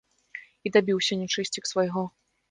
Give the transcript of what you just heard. І дабіўся, нячысцік, свайго.